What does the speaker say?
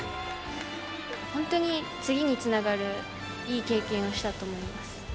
本当に次につながるいい経験をしたと思います。